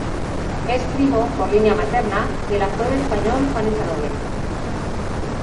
Es primo, por línea materna, del actor español Juan Echanove.